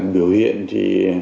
biểu hiện thì